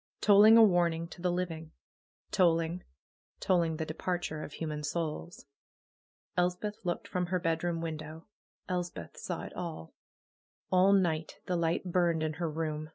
Tolling a warning to the living I Tolling ! Tolling the departure of human souls ! Elspeth looked from her bedroom window. Elspeth saw it all. All night the light burned in her room.